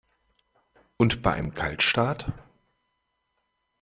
Und bei einem Kaltstart?